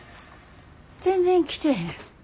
全然来てへん。